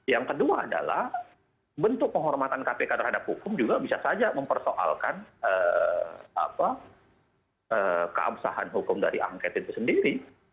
yang kedua adalah bentuk penghormatan kpk terhadap hukum juga bisa saja mempersoalkan keabsahan hukum dari angket itu sendiri